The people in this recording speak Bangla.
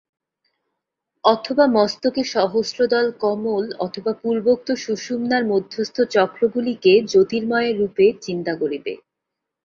অথবা মস্তকে সহস্রদল কমল অথবা পূর্বোক্ত সুষুম্নার মধ্যস্থ চক্রগুলিকে জ্যোতির্ময়রূপে চিন্তা করিবে।